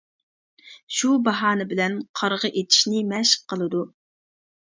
شۇ باھانە بىلەن قارىغا ئېتىشنى مەشىق قىلىدۇ.